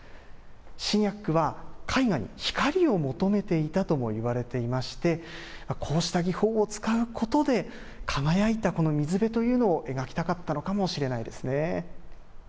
シニャックは絵画に光を求めていたともいわれていまして、こうした技法を使うことで、輝いたこの水辺というのを描きたかったのかもしれないですね。